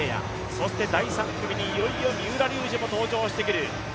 そして第３組にいよいよ三浦龍司も登場してくる。